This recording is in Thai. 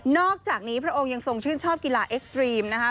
อกจากนี้พระองค์ยังทรงชื่นชอบกีฬาเอ็กซรีมนะคะ